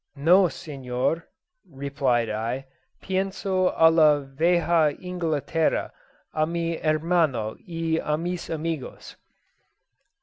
"No, Senor," replied I. "Pienso a la veja Ingleterra; a mi Hermano y a mis amigos."